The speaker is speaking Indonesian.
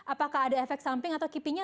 apakah ada efek samping atau kipinya